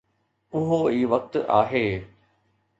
اهو ئي وقت آهي